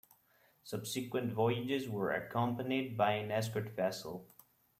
Subsequent voyages were accompanied by an escort vessel.